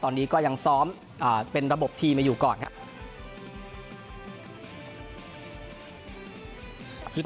ตอนนี้ก็ยังซ้อมเป็นระบบทีมมาอยู่ก่อนครับ